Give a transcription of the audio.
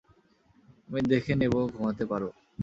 আমি দেখে নেব ঘুমাতে পারো।